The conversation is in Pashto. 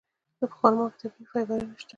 په خرما کې طبیعي فایبرونه شته.